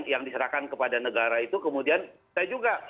yang diserahkan kepada negara itu kemudian saya juga